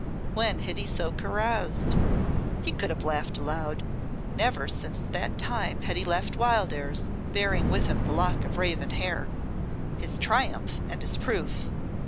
When had he so caroused? He could have laughed aloud. Never since that time he had left Wildairs, bearing with him the lock of raven hair his triumph and his proof.